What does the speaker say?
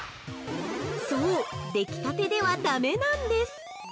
◆そう、できたてではだめなんです！